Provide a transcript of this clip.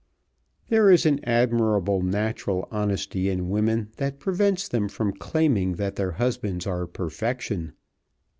There is an admirable natural honesty in women that prevents them from claiming that their husbands are perfection.